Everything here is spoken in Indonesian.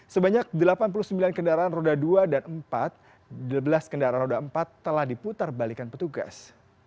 sebanyak delapan puluh sembilan kendaraan roda dua dan empat belas kendaraan roda empat telah diputar balikan petugas